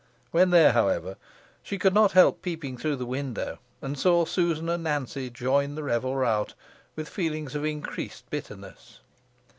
When there, however, she could not help peeping through the window, and saw Susan and Nancy join the revel rout, with feelings of increased bitterness.